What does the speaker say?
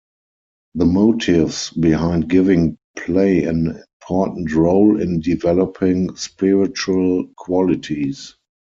The motives behind giving play an important role in developing spiritual qualities.